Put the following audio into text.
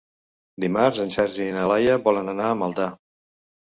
Dimarts en Sergi i na Laia volen anar a Maldà.